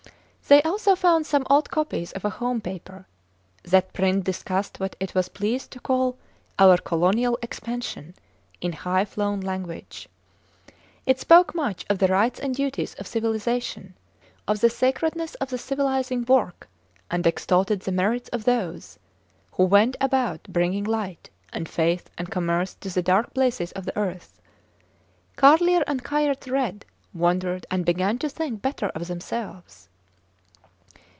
They also found some old copies of a home paper. That print discussed what it was pleased to call Our Colonial Expansion in high flown language. It spoke much of the rights and duties of civilization, of the sacredness of the civilizing work, and extolled the merits of those who went about bringing light, and faith and commerce to the dark places of the earth. Carlier and Kayerts read, wondered, and began to think better of themselves.